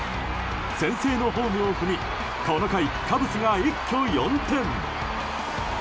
先制のホームを踏みこの回、カブスが一挙４点。